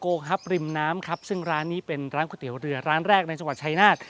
ครับริมน้ำครับซึ่งร้านนี้เป็นร้านก๋วยเตี๋ยวเรือร้านแรกในจังหวัดชายนาฏ